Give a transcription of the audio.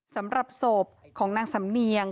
สำหรับศพของนางสำเนียง